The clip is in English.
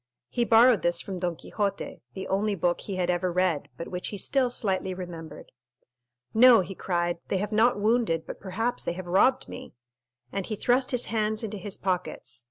He borrowed this from Don Quixote, the only book he had ever read, but which he still slightly remembered. "No," he cried, "they have not wounded, but perhaps they have robbed me!" and he thrust his hands into his pockets.